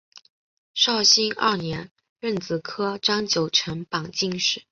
绍兴二年壬子科张九成榜进士。